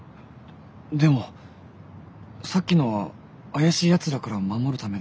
でもさっきのは怪しいやつらから守るためで。